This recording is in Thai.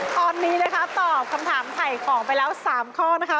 ตอนนี้นะคะตอบคำถามไถ่ของไปแล้ว๓ข้อนะคะ